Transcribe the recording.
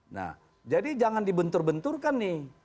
nah jadi jangan dibentur benturkan nih